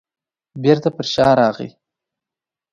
بېرته په شا راغی.